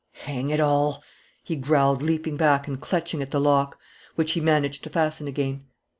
"Hang it all!" he growled, leaping back and clutching at the lock, which he managed to fasten again.